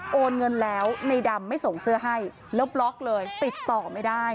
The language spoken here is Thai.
โอนเงินแล้วในดำไม่ส่งเสื้อให้แล้วบล็อกเลยติดต่อไม่ได้